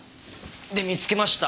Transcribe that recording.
で見つけました。